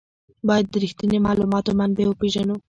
باید د رښتیني معلوماتو منبع وپېژنو.